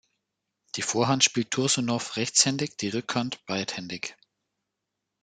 Die Vorhand spielt Tursunow rechtshändig, die Rückhand beidhändig.